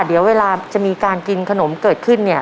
เดี๋ยวเวลาจะมีการกินขนมเกิดขึ้นเนี่ย